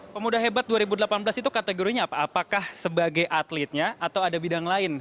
pemuda hebat dua ribu delapan belas itu kategorinya apa apakah sebagai atletnya atau ada bidang lain